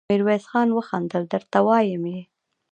ميرويس خان وخندل: درته وايم يې!